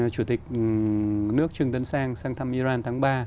chủ tịch nước trương tấn sang sang thăm iran tháng ba